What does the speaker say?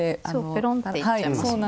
ペロンっていっちゃいますもんね。